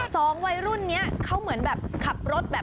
สองวัยรุ่นนี้เขาเหมือนแบบขับรถแบบ